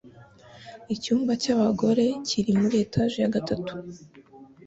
Icyumba cyabagore kiri muri etage ya gatatu.